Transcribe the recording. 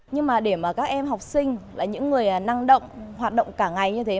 nhưng mà để mà các em học sinh những người năng động hoạt động cả ngày như thế